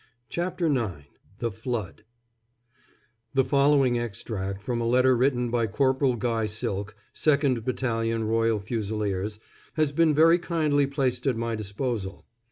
CHAPTER IX THE "FLOOD" [The following extract from a letter written by Corporal Guy Silk, 2nd Battalion Royal Fusiliers, has been very kindly placed at my disposal.